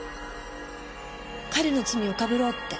彼の罪をかぶろうって。